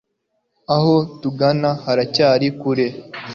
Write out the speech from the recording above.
Aho tugana haracyari kure.